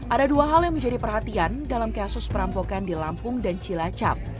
ada dua hal yang menjadi perhatian dalam kasus perampokan di lampung dan cilacap